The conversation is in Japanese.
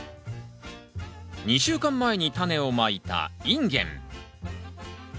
２週間前にタネをまいたインゲン。